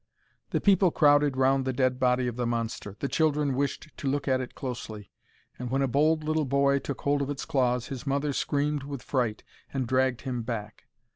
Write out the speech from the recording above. The people crowded round the dead body of the monster. The children wished to look at it closely, and when a bold little boy took hold of its claws, his mother screamed with fright, and dragged him back.